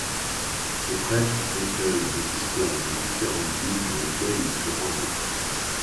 Ces prêtres recueillent les histoires des différentes villes dans lesquelles ils se rendent.